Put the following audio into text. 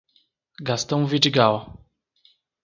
Gastão Vidigal